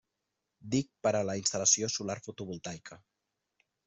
DIC per a instal·lació solar fotovoltaica.